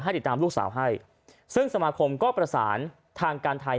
ติดตามลูกสาวให้ซึ่งสมาคมก็ประสานทางการไทย